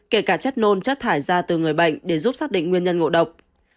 kể cả chất nôn chất thải ra từ người bệnh để giúp xác định nguyên nhân ngộ độc